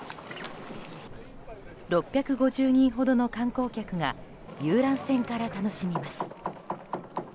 ６５０人ほどの観光客が遊覧船から楽しみます。